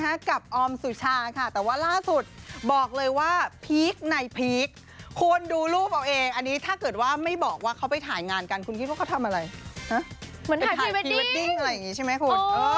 เหมือนถ่ายพรีเวดดิ้งถ่ายพรีเวดดิ้งอะไรอย่างนี้ใช่ไหมคุณ